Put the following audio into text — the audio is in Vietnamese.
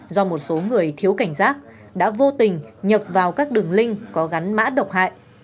do một số người thiếu cảnh giác đã vô tình nhập vào các đường link có gắn mã độc hại